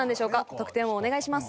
得点をお願いします。